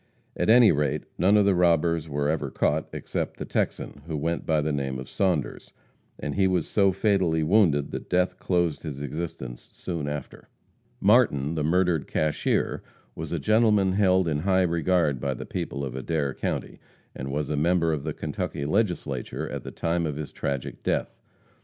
At any rate, none of the robbers were ever caught, except the Texan, who went by the name of Saunders, and he was so fatally wounded that death closed his existence soon after. Martin, the murdered cashier, was a gentleman held in high regard by the people of Adair county, and was a member of the Kentucky Legislature at the time of his tragic death.